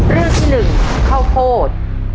เรื่องโดราเอมอนค่ะ